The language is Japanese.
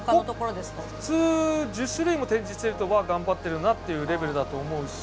普通１０種類も展示してるとまあ頑張ってるなっていうレベルだと思うし。